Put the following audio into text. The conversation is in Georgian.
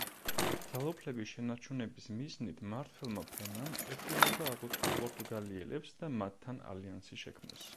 ძალაუფლების შენარჩუნების მიზნით მმართველმა ფენამ ერთგულება აღუთქვა პორტუგალიელებს და მათთან ალიანსი შექმნეს.